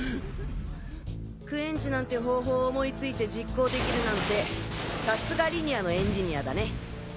クエンチなんて方法を思い付いて実行できるなんてさすがリニアのエンジニアだね。